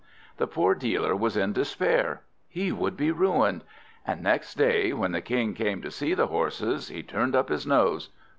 The poor dealer was in despair. He would be ruined! And next day, when the King came to see the horses, he turned up his nose.